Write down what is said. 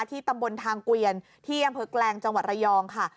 ที่ตำบลทางเกวียนที่อำเภอแกลงจังหวัดระยองค่ะ